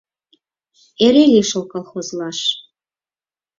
Эре лишыл колхозлаш...